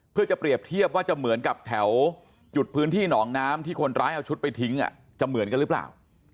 เพื่อจะเปรียบเทียบว่าจะเหมือนกับแถวจุดพื้นที่หนองน้ำที่คนร้ายเอาชุดไปทิ้งจะเหมือนกันหรือเปล่า